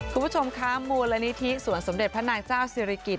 คุณผู้ชมคะมูลนิธิสวนสมเด็จพระนางเจ้าศิริกิจ